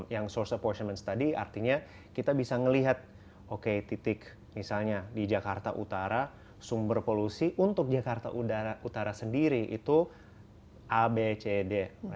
yang source apportionment study artinya kita bisa melihat oke titik misalnya di jakarta utara sumber polusi untuk jakarta utara sendiri itu a b c d